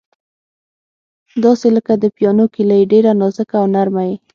داسې لکه د پیانو کیلۍ، ډېره نازکه او نرمه یې.